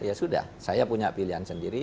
ya sudah saya punya pilihan sendiri